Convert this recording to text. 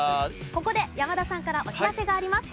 ここで山田さんからお知らせがあります。